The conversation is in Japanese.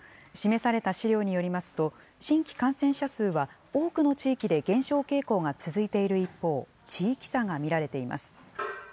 示された資料によりますと、新規感染者数は多くの地域で減少傾向が続いている一方、地域差が見られています。